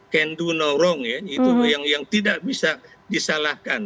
can do no wrong ya yang tidak bisa disalahkan